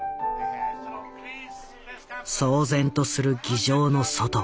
騒然とする議場の外